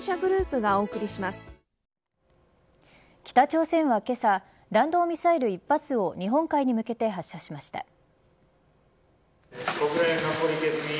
北朝鮮はけさ弾道ミサイル一発を日本海に向けて発射しました。